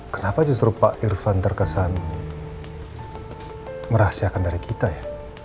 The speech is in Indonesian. kenapa justru pak irfan terkesan merahasiakan dari kita ya